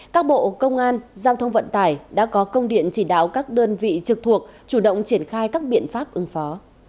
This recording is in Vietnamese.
các bộ công an giao thông vận tải đã có công điện chỉ đạo các đơn vị trực thuộc chủ động triển khai các biện pháp ứng phó